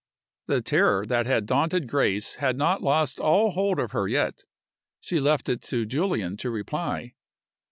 The terror that had daunted Grace had not lost all hold of her yet. She left it to Julian to reply.